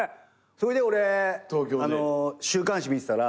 それで俺週刊誌見てたら。